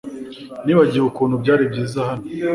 Nibagiwe ukuntu byari byiza hano